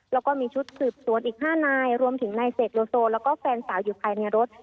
แล้วก็มีชุดสืบสวนอีก๕นายรวมถึงนายเสกโลโซแล้วก็แฟนสาวอยู่ภายในรถ